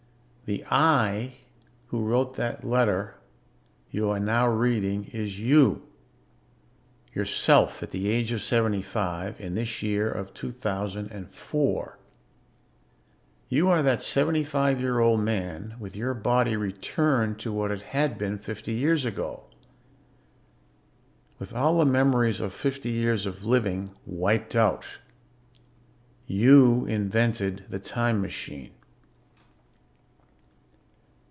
The I who wrote that letter you are now reading is you, yourself at the age of seventy five, in this year of 2004. You are that seventy five year old man, with your body returned to what it had been fifty years ago, with all the memories of fifty years of living wiped out. You invented the time machine.